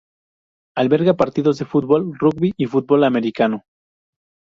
Alberga partidos de fútbol, rugby y fútbol americano.